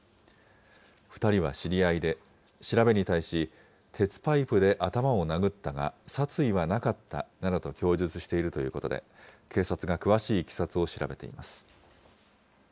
２人は知り合いで、調べに対し鉄パイプで頭を殴ったが、殺意はなかったなどと供述しているということで、警察が詳しいいきさつを調べています。